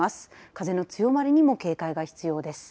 風の強まりにも警戒が必要です。